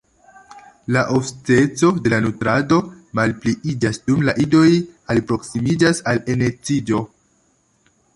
La ofteco de la nutrado malpliiĝas dum la idoj alproksimiĝas al elnestiĝo.